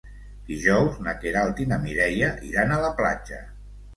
Dijous na Queralt i na Mireia iran a la platja.